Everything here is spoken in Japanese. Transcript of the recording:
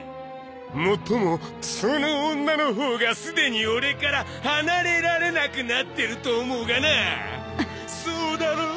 もっともその女のほうがすでに俺から離れられなくなってると思うがなそうだろ？